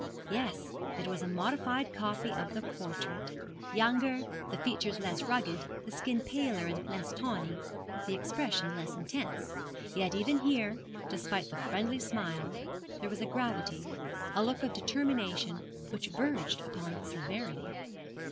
Yes, it was a modified copy of the portrait younger, the features less rugged, the skin paler and less tawny, the expression less intense. Yet even here, despite the friendly smile, there was a gravity, a look of determination which verged upon severity.